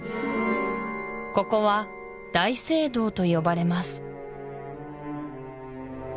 ここは大聖堂と呼ばれます